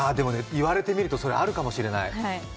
言われてみると、それはあるかもしれない。